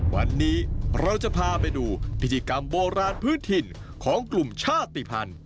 วันนี้เราจะพาไปดูพิธีกรรมโบราณพื้นถิ่นของกลุ่มชาติภัณฑ์